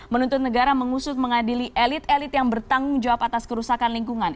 menuntut negara mengusut mengadili elit elit yang bertanggung jawab atas kerusakan lingkungan